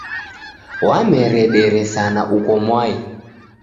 Wameredere sana uko mwai.